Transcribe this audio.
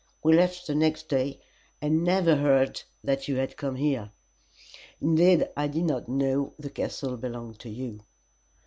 We left the next day, and never heard that you had come there; indeed, I did not know the castle belonged to you."